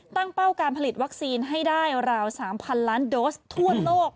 เป้าการผลิตวัคซีนให้ได้ราว๓๐๐ล้านโดสทั่วโลก